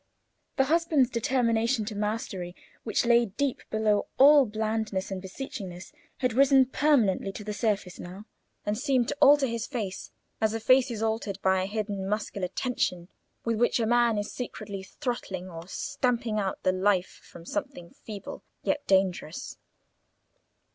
The husband's determination to mastery, which lay deep below all blandness and beseechingness, had risen permanently to the surface now, and seemed to alter his face, as a face is altered by a hidden muscular tension with which a man is secretly throttling or stamping out the life from something feeble, yet dangerous.